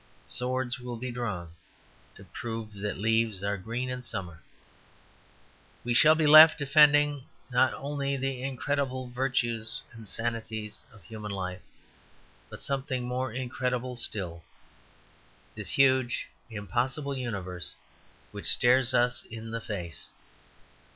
Swords will be drawn to prove that leaves are green in summer. We shall be left defending, not only the incredible virtues and sanities of human life, but something more incredible still, this huge impossible universe which stares us in the face.